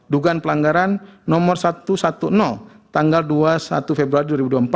dugaan pelanggaran nomor satu ratus sepuluh tanggal dua puluh satu februari dua ribu dua puluh empat